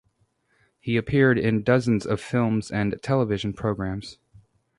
He appeared in dozens of films and television programs.